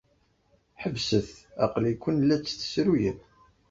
Ḥebset! Aql-iken la tt-tessruyem.